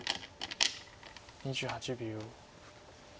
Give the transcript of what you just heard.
２８秒。